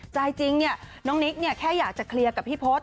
ใจจริงเนี่ยน้องนิกเนี่ยแค่อยากจะเคลียร์กับพี่พศ